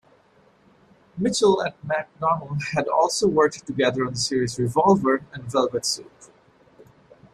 Mitchell and McDonnell had also worked together on the series "Revolver" and "Velvet Soup".